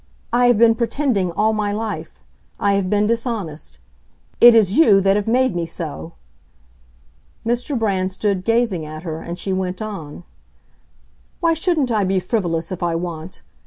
"I have been pretending, all my life; I have been dishonest; it is you that have made me so!" Mr. Brand stood gazing at her, and she went on, "Why shouldn't I be frivolous, if I want?